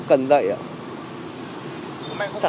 không cần dạy ạ